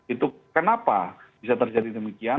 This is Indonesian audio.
itu kenapa bisa terjadi demikian